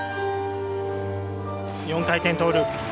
４回転トーループ。